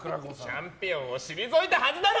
チャンピオンを退いたはずだろ！